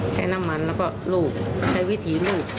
ใช้น้ำมันแล้วก็ลูบใช้วิธีลูด